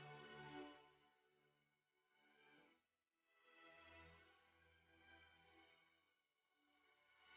aku lagiwrif lalu